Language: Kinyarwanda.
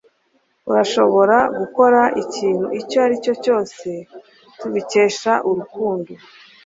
Urashobora gukora ikintu icyo aricyo cyose tubikesha Urukundo